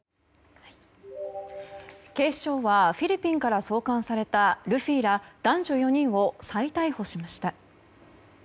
警視庁はフィリピンから送還されたルフィら、男女４人を再逮捕しました。